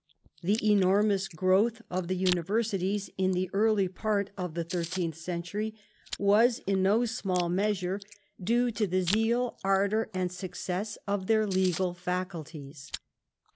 The enormous growth of the universities in the early part of the thirteenth century was in no small measure due to the zeal, ardour, and success of their legal faculties.